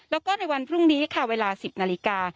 แล้วก็ในวันพรุ่งนี้ค่ะเวลา๑๐นาฬิกา